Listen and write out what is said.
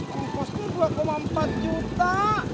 kompostnya dua empat juta